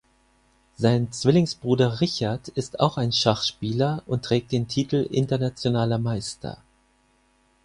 Sein Zwillingsbruder Richard ist auch ein Schachspieler und trägt den Titel Internationaler Meister.